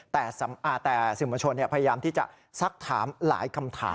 แต่สื่อมวลชนพยายามที่จะซักถามหลายคำถาม